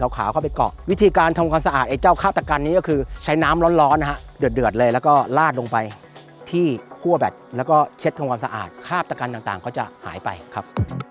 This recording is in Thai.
ความสะอาดข้าบตะกันต่างก็จะหายไปครับ